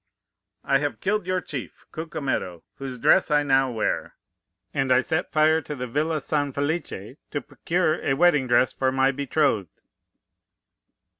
"'I have killed your chief, Cucumetto, whose dress I now wear; and I set fire to the villa San Felice to procure a wedding dress for my betrothed.